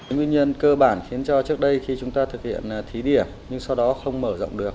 nguyên nhân cơ bản khiến cho trước đây khi chúng ta thực hiện thí điểm nhưng sau đó không mở rộng được